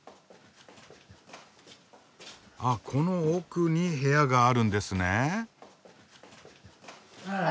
あこの奥に部屋があるんですね。